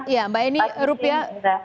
ya pak ketim